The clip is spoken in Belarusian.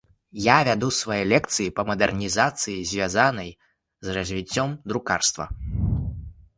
Я вяду свае лекцыі па мадэрнізацыі, звязанай з развіццём друкарства.